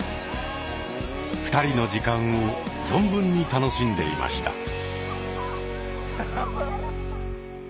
２人の時間を存分に楽しんでいました。